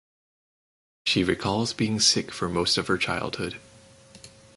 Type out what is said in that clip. She recalls being sick for most of her childhood.